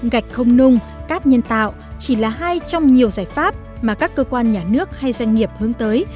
gạch không nung cát nhân tạo chỉ là hai trong nhiều giải pháp mà các cơ quan nhà nước hay doanh nghiệp hướng tới